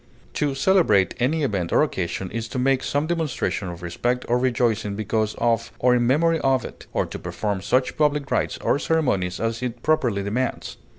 To celebrate any event or occasion is to make some demonstration of respect or rejoicing because of or in memory of it, or to perform such public rites or ceremonies as it properly demands.